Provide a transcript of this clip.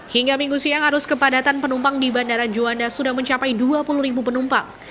hingga minggu siang arus kepadatan penumpang di bandara juanda sudah mencapai dua puluh penumpang